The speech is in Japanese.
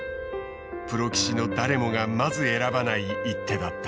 プロ棋士の誰もがまず選ばない一手だった。